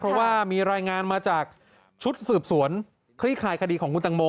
เพราะว่ามีรายงานมาจากชุดสืบสวนคลี่คลายคดีของคุณตังโม